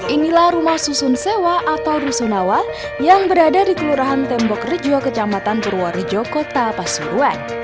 inilah rumah susun sewa atau rusunawa yang berada di kelurahan tembok rejo kecamatan purworejo kota pasuruan